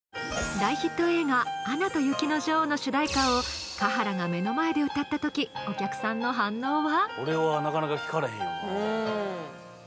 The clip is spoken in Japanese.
大ヒット映画「アナと雪の女王」の主題歌を華原が目の前で歌った時お客さんの反応は？